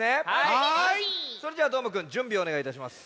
それじゃあどーもくんじゅんびをおねがいいたします。